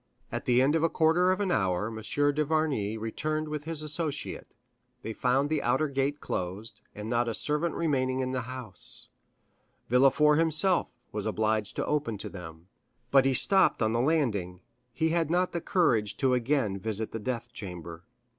At the end of a quarter of an hour M. d'Avrigny returned with his associate; they found the outer gate closed, and not a servant remaining in the house; Villefort himself was obliged to open to them. But he stopped on the landing; he had not the courage to again visit the death chamber.